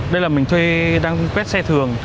đây là mình thuê đang quét xe thường